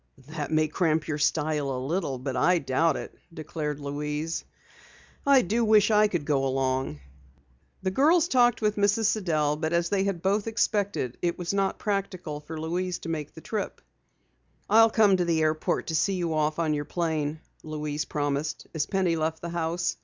"That may cramp your style a little, but I doubt it," declared Louise. "I do wish I could go along." The girls talked with Mrs. Sidell, but as they both had expected, it was not practical for Louise to make the trip. "I'll come to the airport to see you off on your plane," Louise promised as Penny left the house.